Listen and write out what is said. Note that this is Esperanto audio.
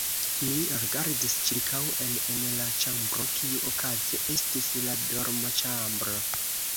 Mi rigardis ĉirkaŭen en la ĉambro, kiu okaze estis la dormoĉambro.